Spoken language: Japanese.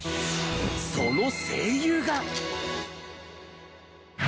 その声優が。